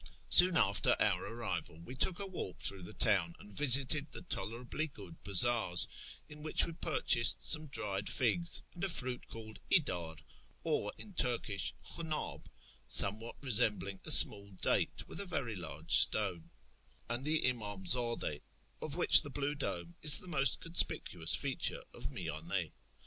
Soon after our arrival we took a walk through the town, and visited the tolerably good bazaars (in which we purchased some dried figs, and a fruit called idar, or, in Turkish, hliunnOb, somewhat resembling a small date, with a very large stone), and the imdmzdde, of which the blue dome is the most conspicuous feature of Miyand.